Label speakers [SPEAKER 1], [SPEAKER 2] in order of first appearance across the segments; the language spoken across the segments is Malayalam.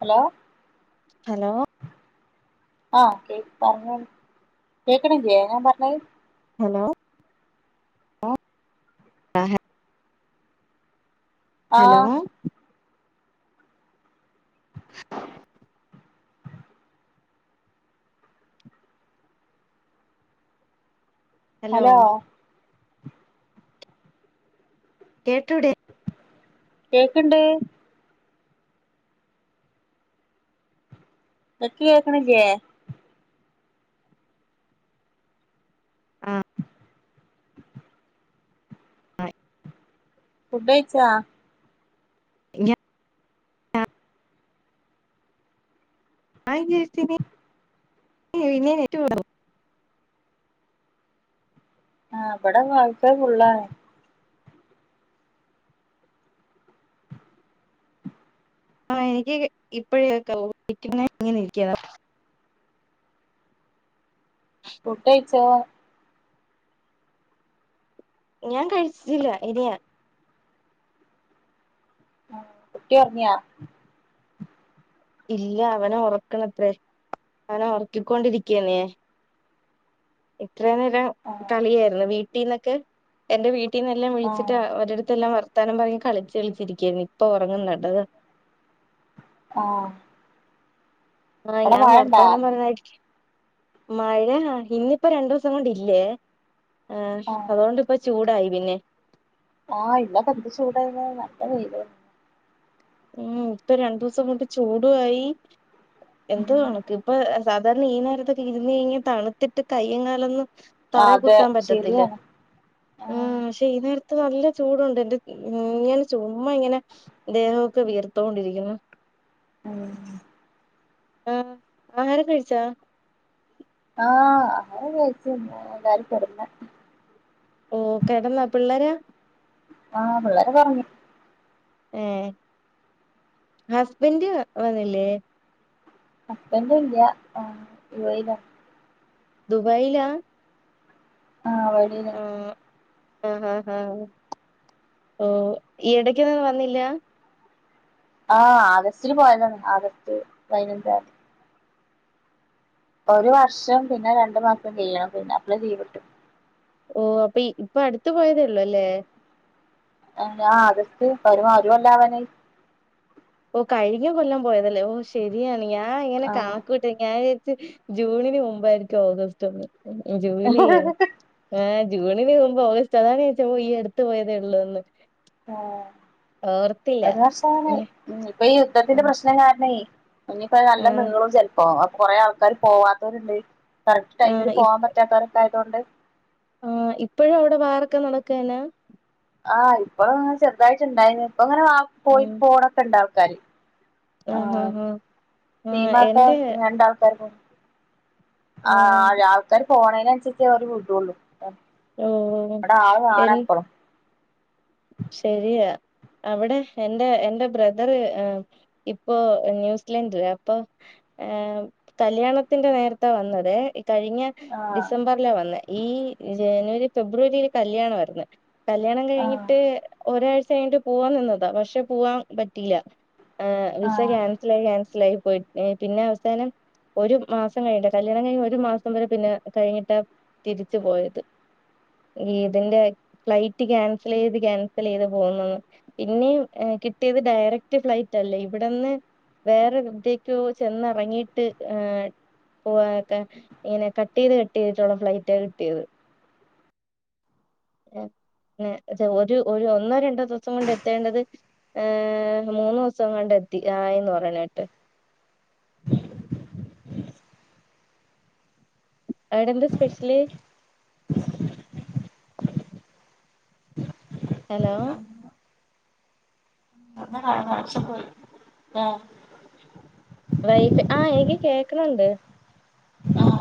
[SPEAKER 1] ഹലോ
[SPEAKER 2] ഹലോ
[SPEAKER 1] ആഹ കേ പറഞ്ഞോ കേക്കണം ചെയ്യ ഞാൻ പറഞ്ഞത്
[SPEAKER 2] ഹലോ ആ ഹലോ
[SPEAKER 1] ആഹ് ഹലോ
[SPEAKER 2] കേട്ടൂടേ
[SPEAKER 1] കേക്ക്ണ്ട് ഇടയ്ക്ക് കേക്കണില്ലേ
[SPEAKER 2] ആഹ് ആയ്
[SPEAKER 1] ഫുഡ്‌ കഴിച്ചാ
[SPEAKER 2] ആ [unintelligible]
[SPEAKER 1] ആഹ് ഇവടെ വൈ ഫൈ ഫുള്ള് ആണ്
[SPEAKER 2] ആ എനിക്ക് ഇപ്പൊ കേൾക്കാവു [unintelligible] ഇങ്ങനെ ഇരിക്കിയ
[SPEAKER 1] ഫുഡ്‌ കഴിച്ചോ
[SPEAKER 2] ഞാൻ കഴിച്ചിട്ടില്ല ഇനിയാ
[SPEAKER 1] കുട്ടി ഒർങ്ങ്യ
[SPEAKER 2] ഇല്ല അവനെ ഉറക്കണത്രേ അവനെ ഉറക്കിക്കൊണ്ടിരിക്കയാണ് ഞാൻ ഇത്രേം നേരം
[SPEAKER 1] ആഹ്
[SPEAKER 2] കളിയായിരുന്നു വീ വീട്ടീന്നൊക്കെ എന്റെ വീ വീട്ടീന്നെല്ലാം വിളിച്ചിട്ട്
[SPEAKER 1] ആഹ്
[SPEAKER 2] അവരെടുത്തെല്ലാം വർ വർത്താനം പറഞ്ഞ് കളിച്ച് കളിച്ചിരിക്കാരുന്ന് ഇപ്പൊ ഉറങ്ങുന്നത്
[SPEAKER 1] ആ
[SPEAKER 2] ആഹ് ഞാൻ വർത്താനം പറഞ്ഞായിരിക്കും മഴ ഇന്നിപ്പം രണ്ടു ദിവസം കൊണ്ടില്ലേ ആഹ് അതുകൊണ്ട് ഇപ്പം ചൂട് ചൂടായി പിന്നേം
[SPEAKER 1] ആഹ് ഇവിടൊക്കെ എന്ത് ചൂടായിരുന്നു നല്ല വെയിലായിരുന്നു
[SPEAKER 2] ഉം ഇപ്പം രണ്ടു ദിവസം കൊണ്ട് ചൂടുവായി എന്തോ
[SPEAKER 1] ഉം
[SPEAKER 2] ഒണക്ക് ഇപ്പൊ സാധാരണ ഈ നേരത്തൊക്കെ ഇരുന്ന് കഴിഞ്ഞാ തണുത്തിട്ട് കയ്യും കാലുമൊന്നും തറേ
[SPEAKER 1] അതെ
[SPEAKER 2] കുത്താൻ പറ്റത്തില്ല
[SPEAKER 1] ശരിയാണ്
[SPEAKER 2] ആ
[SPEAKER 1] ആഹ്
[SPEAKER 2] പക്ഷേ ഈ നേര ദേഹത്ത് നല്ല ചൂടുണ്ട് എന്റെ ഇങ്ങനെ ചുമ്മാ ഇങ്ങനെ ദേഹ ക്കെ വിയർത്തോണ്ടിരിക്കുന്നു
[SPEAKER 1] ഉം
[SPEAKER 2] ആഹ് ആഹാരം കഴിച്ചാ
[SPEAKER 1] ആഹ് ആഹാരം കഴിച്ച് എല്ലാരും കിടന്ന്
[SPEAKER 2] ഓ കിടന്നാ പിള്ളേരാ
[SPEAKER 1] ആഹ് പിള്ളേരൊക്കെ ഒർങ്ങി
[SPEAKER 2] ഏ ഹസ്ബന്റ് വന്നില്ലേ
[SPEAKER 1] ഹസ്ബന്റ് ഇല്ല ആ യു എ യി ലാ
[SPEAKER 2] ദുബൈലാ
[SPEAKER 1] ആഹ് വഴിലാ
[SPEAKER 2] ആഹ് ആഹ് ആഹ് ഈ ഇടക്കൊന്നും വന്നില്ല
[SPEAKER 1] ആഹ് ആഗസ്റ്റില് പോയതാണ് ആഗസ്റ്റ് പതിനഞ്ചാംതി ഒരു വർഷം പിന്നെ രണ്ടു മാസം ചെയ്യണം പിന്നെ അപ്പളെ ലീവ്ട്ടും
[SPEAKER 2] ഓ അപ്പൊ ഇപ്പൊ അടുത്ത പോയതേ ഉള്ളൂ അല്ലേ
[SPEAKER 1] ആ ഞാ ആഗസ്റ്റ് ഒരു മാ ഒരു കൊല്ലാവാനായി
[SPEAKER 2] ഓ കഴിഞ്ഞ കൊല്ലം പോയതല്ലേ ഓ ശരിയാണ് ഞാൻ ആഹ് ഇങ്ങനെ കണക്കൂട്ടിഓക്കി ഞാൻ ജൂണിന് മുമ്പായിരിക്കും ഓഗസ്റ്റ് ഒന്ന് ഉ ജോല ചെയ്യാം ഏ ജൂണിന് മുമ്പ് ഓഗസ്റ്റ് അതാണ് ചെച്ചപ്പോ ഈ അടുത്ത് പോയതേ ഉള്ളൂ എന്ന്
[SPEAKER 1] ഓ ഒരു വസമാണ്
[SPEAKER 2] ഏ
[SPEAKER 1] ഇപ്പൊ ഈ
[SPEAKER 2] ആ
[SPEAKER 1] യുദ്ധത്തിന്റെ പ്രശ്നം കാരണ ഇനിപ്പോ
[SPEAKER 2] ആ
[SPEAKER 1] നല്ല മീളും ചെിലപ്പോ കൊറെേ ആൾക്കാാര് പോവാത്തവരുണ്ട് കറക്റ്റ്
[SPEAKER 2] ആ
[SPEAKER 1] ടമിൽ
[SPEAKER 2] ഇ-
[SPEAKER 1] പോവാൻ പറ്റാത്താര്യ എണ്ട്
[SPEAKER 2] ആ ഇപ്പഴും അവിടെ വേറൊക്കെ നടക്കനാ
[SPEAKER 1] ആഹ് ഇപ്പഴ ചെറ്‌ തായിട്ടുണ്ടായിന് അങ്ങനെ പോയി
[SPEAKER 2] ഉം
[SPEAKER 1] പോണൊക്കെ ഉണ്ടാവും കരി ആ
[SPEAKER 2] ആഹ് ആഹ് ആഹ് ആ
[SPEAKER 1] തീമാക്ക
[SPEAKER 2] എന്റെ
[SPEAKER 1] രണ്ടാൾക്കാർക്ക
[SPEAKER 2] ഉം
[SPEAKER 1] ആഹ ആൾക്കാാര് പോണന അവ വിട്ടള്ളൂ
[SPEAKER 2] ഓ
[SPEAKER 1] അവിടെ ആള് കാണാ
[SPEAKER 2] എൻ
[SPEAKER 1] എപ്പഴും
[SPEAKER 2] ശരിയാ അവിടെ എറെ എറെ ബ്രദറ് ഇപ്പോൊ ന്യൂസിലൻഡില് അപ്പൊ കല്യാണത്തിന്റെ നേരത്തെ വന്നതേ കഴിഞ്ഞ
[SPEAKER 1] ആഹ്
[SPEAKER 2] ഡിസംബറില വന്ന ഈ ജനുവരി ഫെബ്രുവരിയില് കല്യാണ വരുന്നേ കല്യാണം കഴിഞ്ഞി ഒരാഴ്ച കയിട്ട് പോവാൻ നിന്നതാ പക്ഷെ പോവാൻ പറ്റില്ല ആഹ വിസ
[SPEAKER 1] ആഹ്
[SPEAKER 2] ക്യാൻസലായി ക്യാൻസൽയി പോയി പിന്നെ അവസാനം ഒരു മാസം കഴിഞ്ഞട്ട കല്യാണം കഴിഞ്ഞ ഒരു മാസം വരെ പിന്നെ കഴിഞ്ഞിട്ടാ തിരിച്ചു പോയത് ഈ ഇതിന്റെ ഫ്ലൈറ്റ് ൻ സൽ ചെയ്ത് ക്യാൻസൽ ചെയ്ത് പോകുന്നന്ന് പിന്നെയും കിട്ടിയത് ഡയറക്റ്റ് ഫ്ലൈറ്റ്ല്ലേ ഇവിടെന്ന് വേറെ വിദ്യക്കോ ചെന്നിറങ്ങീട്ട് പോ ഇങ്ങനെ കട്ട് ചെയ്ത് കട്ട് ചെയ്തിട്ടുള്ള ഫ്ലൈറ്റ് ആ കിട്ടിയത് അത ഒരു ഒന്നോ രണ്ടോ ദിവസം കൊണ്ട് എത്തേണ്ടത് ഏർ മൂന്ന ദിവസം കൊണ്ട് എത്തി ആയിന്ന് പറയണട്ട് അവിടെ എന്താ സ്പെഷ്യല്ി ഹലോ
[SPEAKER 1] ാ കാച്ച പോയി
[SPEAKER 2] വൈഫ് ആ എനിക്ക് കേക്കണണ്ട്
[SPEAKER 1] ആഹ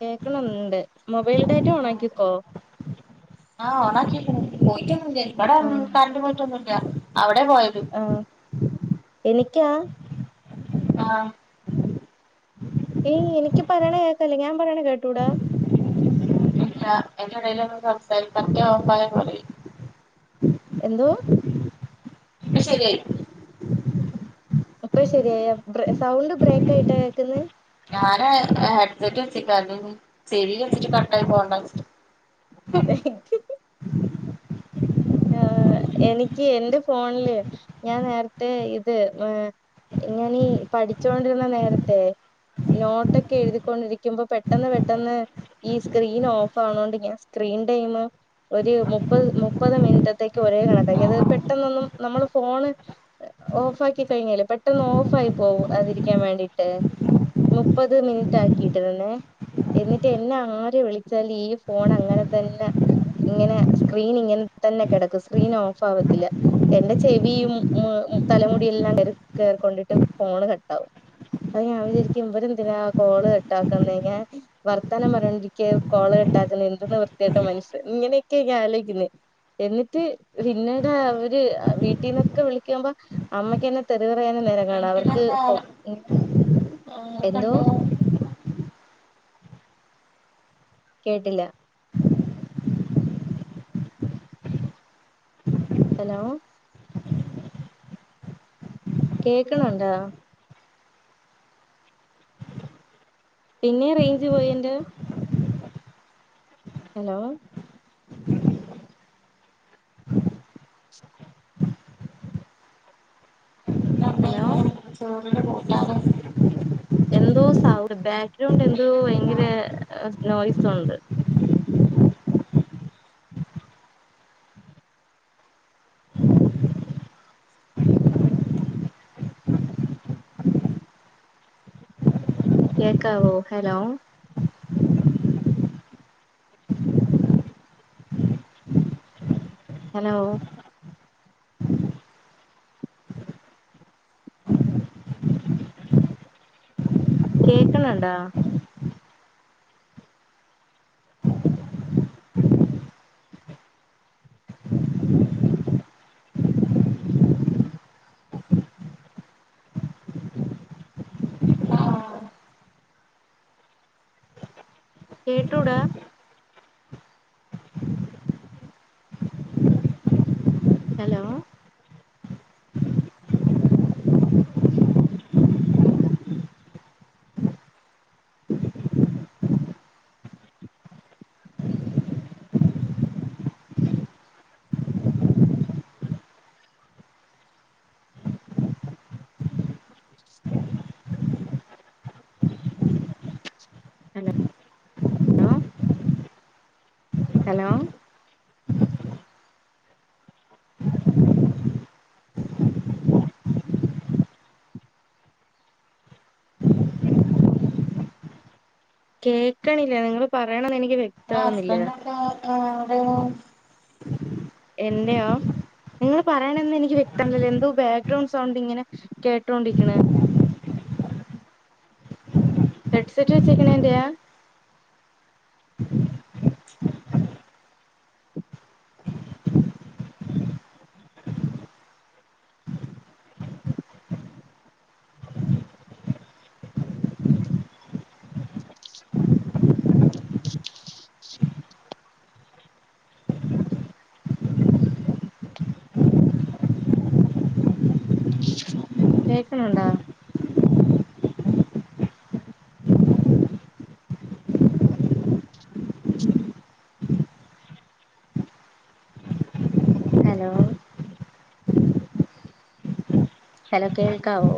[SPEAKER 2] കേക്കണണ്ട് മൊബൈൽ ഡാറ്റ ഓണ ആാക്കിക്കോ
[SPEAKER 1] ആഹ് ഒാ കേക്ക പോയിട്ട ഇവിടെന്നും
[SPEAKER 2] ആഹ്
[SPEAKER 1] തണ്ടു പറ്റൊന്നുമില്ല അ എവിടെ പോയത്
[SPEAKER 2] ആഹ് എനിക്കാ
[SPEAKER 1] ആഹ
[SPEAKER 2] ഏ എനിക്ക് പറയണ കേക്കല്ല ഞാൻ പറയണ കേട്ടൂടാ
[SPEAKER 1] ഇല്ല എന്റെ എടലൊന്നും സംസാരിക്ക [unintelligible]
[SPEAKER 2] എന്തോ
[SPEAKER 1] പ്പ ശരിയായി
[SPEAKER 2] അപ്പൊ ശരിയായ സൗണ്ട് ബ്രേക്ക് ആയിട്ടാ കേക്കന്ന്
[SPEAKER 1] ഏ ഏഹ് ഹെഡ്സെറ്റ് വെച്ചക്ക അല്ലെങ്കി ചെവീല് വെച്ചിട്ട് കട്ടായി പോണ്ട ച്ച്ട്ട്
[SPEAKER 2] ആ എനിക്ക് എന്റെ ഫോണില് ഞാൻ നേരത്തെ ഇത് ഏ ഞാനീ പഠിച്ചോണ്ടിരുന്ന നേരത്തെ നോട്ടൊക്കെ എഴുതിക്കൊണ്ടിരിക്കുമ്പോ പെട്ടന്ന് പെട്ടെന്ന് ഈ സ്ക്രീൻ ഓഫ് ആണോണ്ട് ഞാൻ സ്ക്രീൻ ടൈം ഒരു മുപ്പത് മുപ് മുപ്പത് മിൻറ്റത്തേക്ക് ഒരേ കണക്കാക്കി അത് പെട്ടെന്നൊന്നും നമ്മള് ഫോണ് ഓഫ് ആക്കി കഴിഞ്ഞല് പെട്ടന്ന് ഓഫായി പോവാതിരിക്കാൻ വേണ്ടിട്ട് മുപ്പത് മിനിറ്റ് ആക്കിട്ടിരുന്നെ എന്നിട്ട് എന്നെ ആര് വിളിച്ചാല് ഈ ഫോൺ അങ്ങനെ തന്നെ ഇങ്ങനെ സ്ക്രീൻ ഇങ്ങനെ തന്നെ കിടക്കും സ്ക്രീൻ ഓഫ് ആവത്തില്ല എന്റെ ചെവിയും ഉം തലമുടിയെല്ലാം കയറിക്കൊണ്ടിട്ട് ഫോണ് കെട്ടാവും അ ഞാൻ വിചാരിക്കും ഇവര എന്തിനാ കോള് കെട്ടാക്കുന്ന ൻ വർത്താനം പറഞ്ഞൊണ്ടിരിക്ക കോള് കെട്ടാക്കുന്ന എന്തെന്ന് വൃത്തിയായിട്ടോ മനുഷ്യൻ ഇങ്ങനെയൊക്കെയ ഞൻ ആലോചിക്കുന്ന എന്നിട്ട് പിന്നീട് അവര് വീട്ടിൽന്നൊക്കെ വിളിക്ക്പോ അമ്മയ്ക്ക്ന്നെ തെറി പറയന്നെ നേര [unintelligible] അവർക്ക്
[SPEAKER 1] വീട്ടിലെന്താ
[SPEAKER 2] പൊ എന്തോ
[SPEAKER 1] കണ്ടു
[SPEAKER 2] കേട്ടില്ല ഹലോ കേക്കണണ്ടാ പിന്നെ റേഞ്ച് പോയന്റെ ഹലോ ഹലോ
[SPEAKER 1] [inaudible]
[SPEAKER 2] എന്തോ സൗണ്ട് ബാക്ക്ഗ്രൗണ്ട് എന്തോ
[SPEAKER 1] മീൻ കിട്ടീനോ
[SPEAKER 2] ഭയങ്കര നോയിസ് ഉണ്ട് കേക്കാവോ ഹലോ ഹലോ കേക്കണണ്ടാ
[SPEAKER 1] ആഹ്
[SPEAKER 2] കേട്ടോടാ ഹലോ അലോ ലോ ഹലോ കേക്കണില്ലേ നിങ്ങള് പറയണനത് എനിക്
[SPEAKER 1] ആ ഹസ്ബൻ ആ
[SPEAKER 2] എന്റെയോ നിങ്ങള് പറയണന്നന്ന് എനിക്ക് വ്യക്തമല്ലല്ലോ എന്തോ ബാക്ക്ഗ്രൗണ്ട് സൗണ്ട് ഇങ്ങനെ കേട്ടോണ്ടിരിക്കണ് ഹെഡ്സെറ്റ് വെച്ചേക്കണ എന്തയാ കേക്കണണ്ട ഹലോ ഹലോ കേൾക്കാവോ